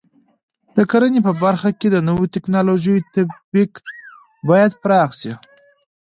د کرنې په برخه کې د نوو ټکنالوژیو تطبیق باید پراخ شي.